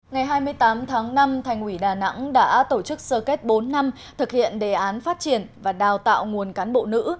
ngày hai mươi tám tháng năm thành ủy đà nẵng đã tổ chức sơ kết bốn năm thực hiện đề án phát triển và đào tạo nguồn cán bộ nữ